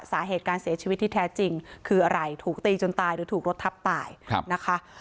สาเหตุการเสียชีวิตที่แท้จริงคืออะไรถูกตีจนตายหรือถูกรถทับตายนะคะ